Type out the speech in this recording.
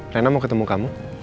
rena mau ketemu kamu